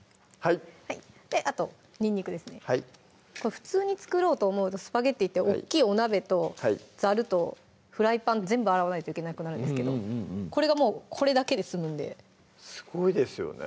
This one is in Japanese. あとにんにくですねはいこれ普通に作ろうと思うとスパゲッティって大っきいお鍋とざるとフライパン全部洗わないといけなくなるんですけどこれがもうこれだけで済むんですごいですよね